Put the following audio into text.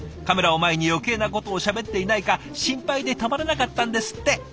カメラを前に余計なことをしゃべっていないか心配でたまらなかったんですって。